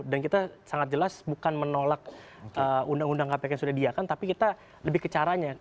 dan kita sangat jelas bukan menolak undang undang kpk yang sudah diiakan tapi kita lebih ke caranya